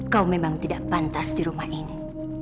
kau memang tidak pantas di rumah ini